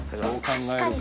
確かに。